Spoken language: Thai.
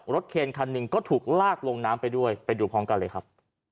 เคนคันหนึ่งก็ถูกลากลงน้ำไปด้วยไปดูพร้อมกันเลยครับ